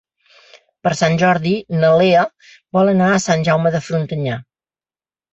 Per Sant Jordi na Lea vol anar a Sant Jaume de Frontanyà.